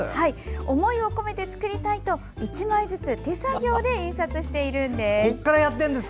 思いを込めて作りたいと１枚ずつ、手作業で印刷しているんです。